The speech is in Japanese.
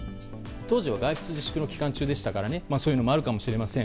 当時は外出自粛の期間中でしたからそういうのもあるかもしれません。